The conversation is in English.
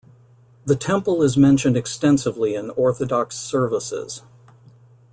The Temple is mentioned extensively in Orthodox services.